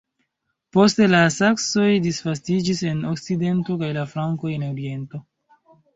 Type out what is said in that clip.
Poste la Saksoj disvastiĝis en okcidento kaj la Frankoj en oriento.